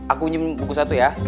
aku nyembuk satu ya